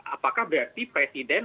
apakah berarti presiden